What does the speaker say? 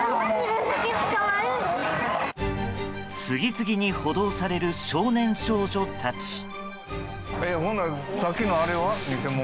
次々に補導される少年少女たち。